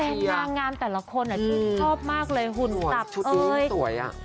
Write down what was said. แฟนนางงามแต่ละคนชอบมากเลยหุ่นตับเอ้ย